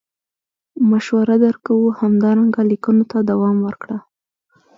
مشوره در کوو همدارنګه لیکنو ته دوام ورکړه.